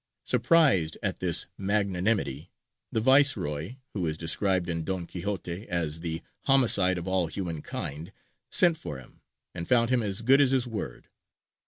Surprised at this magnanimity, the Viceroy who is described in Don Quixote as "the homicide of all human kind" sent for him, and found him as good as his word.